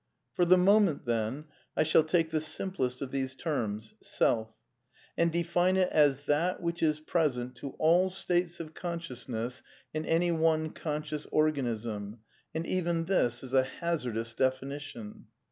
* For the moment, then, I shall take the simplest of these terms. Self, and define it as that which is present to all states of consciousness in any one conscious organism, and even this is a hazardous definition.